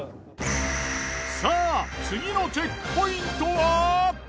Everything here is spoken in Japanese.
さあ次のチェックポイントは？